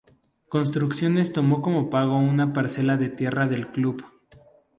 Construcciones tomó como pago una parcela de tierra del club.